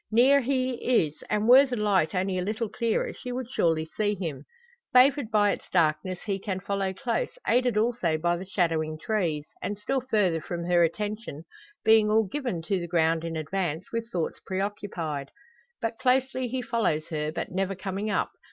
Near he is, and were the light only a little clearer she would surely see him. Favoured by its darkness he can follow close, aided also by the shadowing trees, and still further from her attention being all given to the ground in advance, with thoughts preoccupied. But closely he follows her, but never coming up.